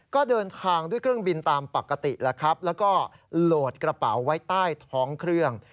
ก็เดินทางด้วยเครื่องบินตามปกติแล้วครับแล้วก็โหลดกระเป๋าไว้ใต้ท้องเครื่อง